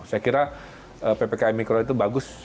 saya kira ppkm mikro itu bagus